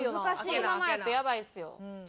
このままやとやばいですよ。